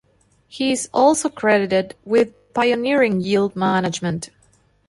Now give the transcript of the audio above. He is also credited with pioneering yield management.